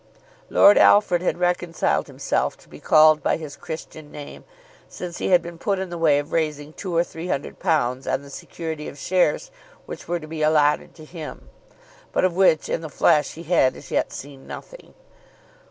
Lord Alfred had reconciled himself to be called by his Christian name, since he had been put in the way of raising two or three hundred pounds on the security of shares which were to be allotted to him, but of which in the flesh he had as yet seen nothing.